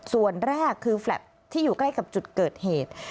ส่วนแรกคือแฟลต์ที่อยู่ใกล้กับจุดเกิดเหตุ